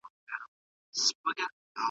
احوال راغی چي نادر لاهور نیولی